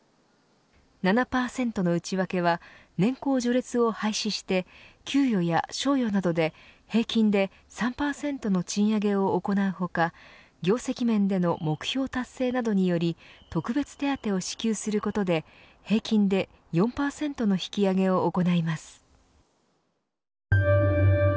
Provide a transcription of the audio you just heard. ７％の内訳は年功序列を廃止して給与や賞与などで平均で３％の賃上げを行う他業績面での目標達成などにより特別手当を支給することで平均で４％の引き上げを行います。